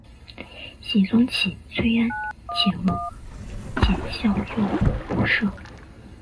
僖宗起崔安潜为检校右仆射。